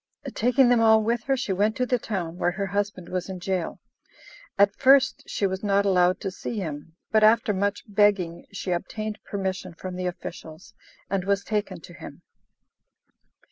Taking them all with her, she went to the town where her husband was in jail. At first she was not allowed to see him; but after much begging, she obtained permission from the officials, and was taken to him.